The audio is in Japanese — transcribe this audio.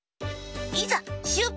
いざしゅっぱつ！